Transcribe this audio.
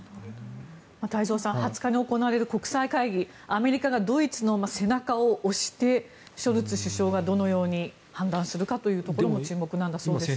太蔵さん２０日に行われる国際会議アメリカがドイツの背中を押してショルツ首相がどのように判断するかというところが注目なんだそうです。